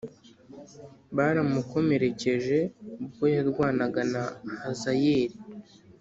baramukomerekeje ubwo yarwanaga na Hazayeli